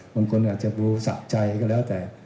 บางคนอาจจะดูสะใจก็แล้วแต่